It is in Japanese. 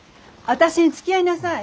私につきあいなさい。